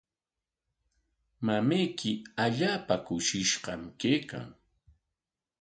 Mamayki allaapa kushishqam kaykan.